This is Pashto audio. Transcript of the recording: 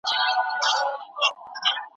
سړي وويل چې دا پوښتنه سمه نه ده.